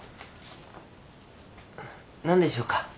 何でしょうか？